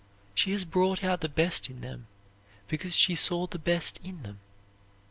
She has brought out the best in them because she saw the best in them.